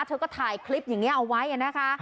เธอก็ถ่ายคลิปอย่างนี้เอาไว้นะคะ